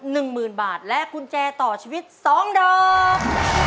๑หมื่นบาทและกุญแจต่อชีวิต๒ดอก